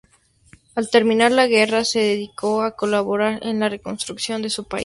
Al terminar la guerra se dedicó a colaborar en la reconstrucción de su país.